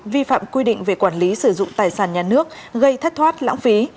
vi phạm quy định về quản lý sử dụng tài sản nhà nước gây thất thoát lãng phí